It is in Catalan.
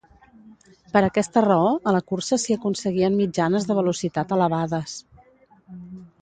Per aquesta raó, a la cursa s'hi aconseguien mitjanes de velocitat elevades.